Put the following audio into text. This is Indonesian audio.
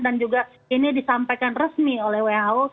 dan juga ini disampaikan resmi oleh who